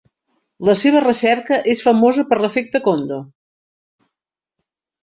La seva recerca és famosa per l'efecte Kondo.